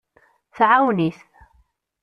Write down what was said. Tɛawen-it.